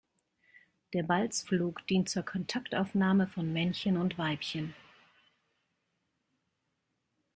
Der Balzflug dient zur Kontaktaufnahme von Männchen und Weibchen.